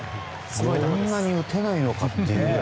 こんなに打てないのかというね。